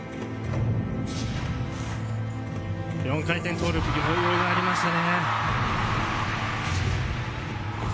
４回転トーループ、余裕がありましたね。